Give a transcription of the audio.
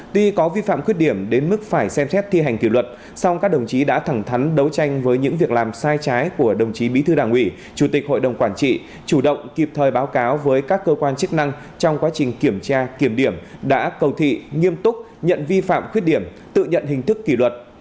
tuy có vi phạm khuyết điểm đến mức phải xem xét thi hành kỷ luật song các đồng chí đã thẳng thắn đấu tranh với những việc làm sai trái của đồng chí bí thư đảng ủy chủ tịch hội đồng quản trị chủ động kịp thời báo cáo với các cơ quan chức năng trong quá trình kiểm tra kiểm điểm đã cầu thị nghiêm túc nhận vi phạm khuyết điểm tự nhận hình thức kỷ luật